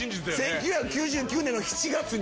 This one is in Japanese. １９９９年の７月に。